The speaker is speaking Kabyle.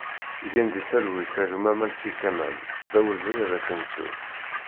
Gen di talwit a gma Malki Kamal, d awezɣi ad k-nettu!